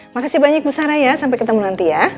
makasih banyak ibu sarah ya sampai ketemu nanti ya